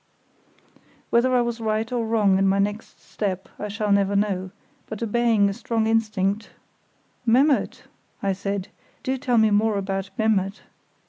Whether I was right or wrong in my next step I shall never know, but obeying a strong instinct, "Memmert," I said; "do tell me more about Memmert.